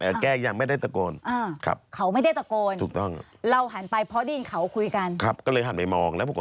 แล้วใครพูดใครพูด